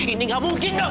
ini enggak mungkin dok